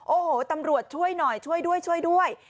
โอ้โหตำรวจช่วยหน่อยช่วยด้วยช่วยด้วย